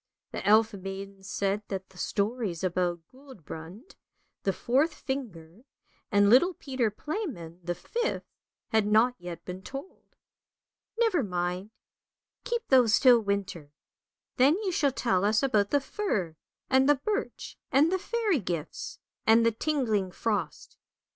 " The elf maiden said that the stories about Guldbrand, the fourth finger, and little Peter Playman, the fifth, had not yet been told. " Never mind, keep those till winter. Then you shall tell us about the fir, and the birch, and the fairy gifts, and the tingling frost.